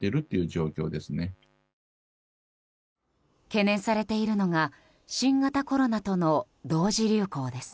懸念されているのが新型コロナとの同時流行です。